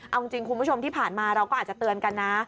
เอาจริงคุณผู้ชมที่ผ่านมาเราก็อาจจะเตือนกันนะ